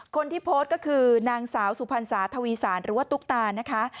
คนที่โพสต์ก็คือนางสาวสุพรรณสาธวีสารหรือว่าตุ๊กตานะคะ